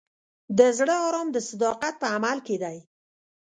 د زړه ارام د صداقت په عمل کې دی.